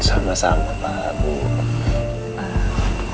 sama sama pak al bu